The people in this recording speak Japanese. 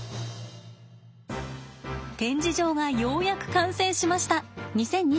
展示場がようやく完成しました。